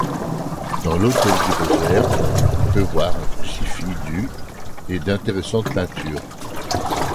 Dans l'autel du Rosaire, on peut voir un crucifix du et d'intéressantes peintures.